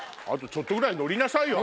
ちょっとぐらい乗りなさいよ！